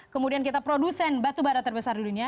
kemudian kita produsen batubara terbesar di dunia